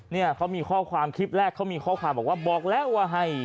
เนี่ยเขามีข้อความแรกข้อความคือบอกแล้วว่าเฮ่ย